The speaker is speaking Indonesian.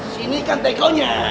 sini kan teko nya